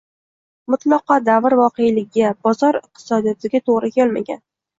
mutlaqo davr voqeligiga, bozor iqtisodiyotiga to‘g‘ri kelmagan